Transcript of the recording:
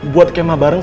buat kema bareng